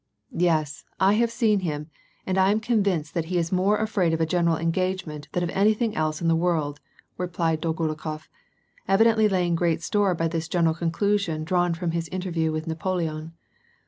" Yes, I have seen him, and I am convinced that he is more afraid of a general engagement than of anything else in the world," replied Dolgorukof, evidently laying great store by this general conclusion drawn from his interview w^ith Napo leon.